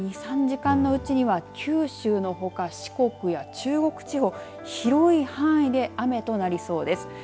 もう２３時間のうちには九州のほか、四国や中国地方、広い範囲で雨となりそうです。